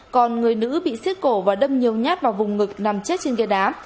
còn người nữ bị xiết cổ và đâm nhiều nhát vào vùng ngực nằm chết trên ghia đá